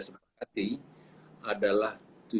sempat hati adalah